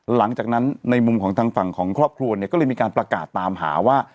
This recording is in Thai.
หลังจากนั้นในมุมของทางฝั่งของครอบครัวเนี่ยก็เลยมีการประกาศตามหาว่า